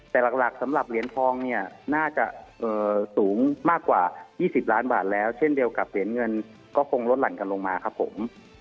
แต่หลักสำหรับเหรียญทองเนี่ยน่าจะสูงมากกว่า๒๐ล้านบาทแล้วเช่นเดียวกับเหรียญเงินก็คงลดหลั่นกันลงมาครับผม